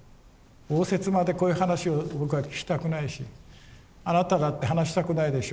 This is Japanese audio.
応接間でこういう話を僕は聞きたくないしあなただって話したくないでしょう。